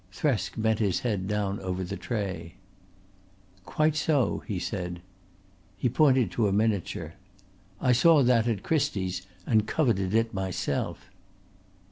Thresk bent his head down over the tray. "Quite so," he said. He pointed to a miniature. "I saw that at Christie's and coveted it myself."